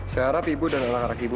saya harap ibu dan anak anak ibu